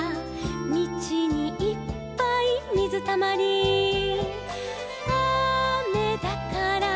「みちにいっぱいみずたまり」「あめだから」